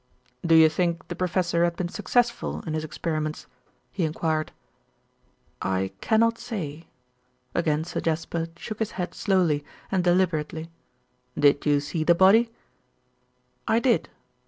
"Do you think the professor had been successful in his experiments?" he enquired. "I cannot say." Again Sir Jasper shook his head slowly and deliberately. "Did you see the body?" "I did."